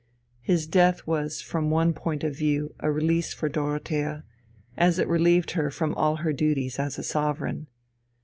His death was from one point of view a release for Dorothea, as it relieved her from all her duties as a sovereign.